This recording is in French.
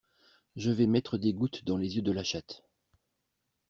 Je vais mettre des gouttes dans les yeux de la chatte.